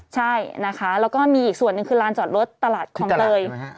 ใช่นะคะแล้วก็มีอีกส่วนหนึ่งคือลานจอดรถตลาดคลองเตย